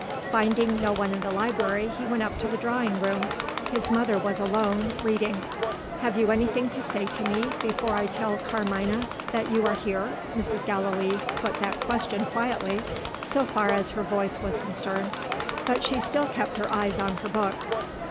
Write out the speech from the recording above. Finding no one in the library, he went up to the drawing room. His mother was alone, reading. "Have you anything to say to me, before I tell Carmina that you are here?" Mrs. Gallilee put that question quietly, so far as her voice was concerned. But she still kept her eyes on her book.